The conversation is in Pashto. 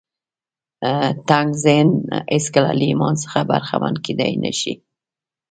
تنګ ذهن هېڅکله له ایمان څخه برخمن کېدای نه شي